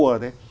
thua rồi thế